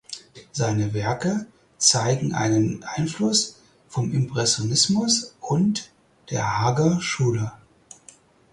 Seine Werke zeigen einen Einfluss vom Impressionismus und der Haager Schule.